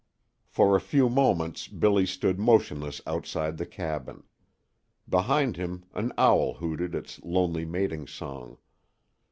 For a few moments Billy stood motionless outside the cabin. Behind him an owl hooted its lonely mating song.